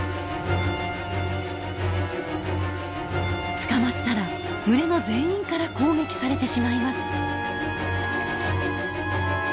捕まったら群れの全員から攻撃されてしまいます。